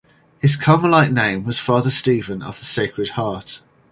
His Carmelite name was Father Stephen of the Sacred Heart.